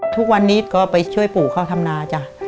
ทุกวันนี้ก็ไปช่วยปู่เข้าทำนาจ้ะ